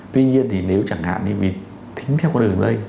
tuy nhiên thì nếu chẳng hạn thì mình tính theo con đường lây